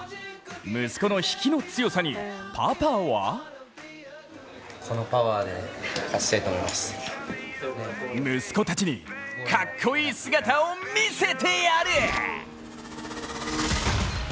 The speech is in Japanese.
息子の引きの強さにパパは息子たちにかっこいい姿を見せてやれ！